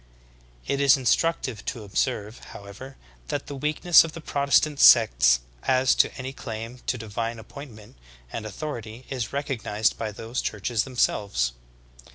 It is instructive to observe, however, that the weakness of the Protestant sects as to any claim to divine appointment and authority, is recognized by those churches themselves.